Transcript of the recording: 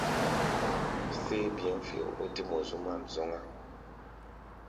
Séé bi̧ɔ̧́-fio o dé mɔ zu ŋmaʼm zɔ́ŋá.